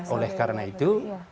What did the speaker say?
oleh karena itu